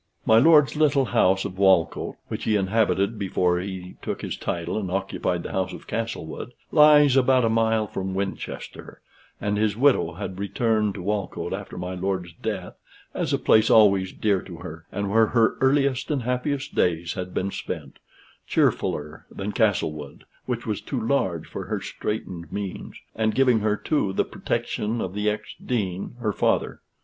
My lord's little house of Walcote which he inhabited before he took his title and occupied the house of Castlewood lies about a mile from Winchester, and his widow had returned to Walcote after my lord's death as a place always dear to her, and where her earliest and happiest days had been spent, cheerfuller than Castlewood, which was too large for her straitened means, and giving her, too, the protection of the ex dean, her father.